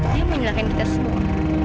dia mau nyalahin kita semua